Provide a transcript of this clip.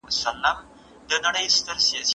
دا مځکه تر بلې هرې مځکې ډیر ښه حاصل ورکوي.